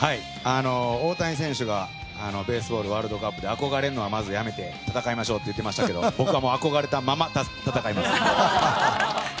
大谷選手がベースボール、ワールドカップで憧れのはまずやめて戦いましょうと言っていましたけど僕は憧れたまま戦います。